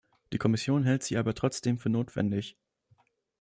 Die Kommission hält sie aber trotzdem für notwendig.